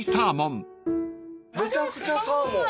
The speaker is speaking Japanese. めちゃくちゃサーモン。